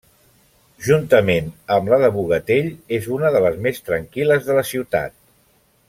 Juntament amb la de Bogatell, és una de les més tranquil·les de la ciutat.